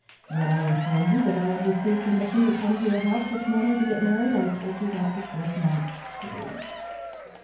When I informed you that I had received permission to come to your house this morning to get married, I told you that which was not true."